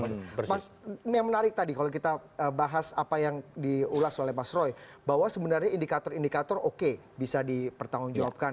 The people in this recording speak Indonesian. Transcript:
mas yang menarik tadi kalau kita bahas apa yang diulas oleh mas roy bahwa sebenarnya indikator indikator oke bisa dipertanggungjawabkan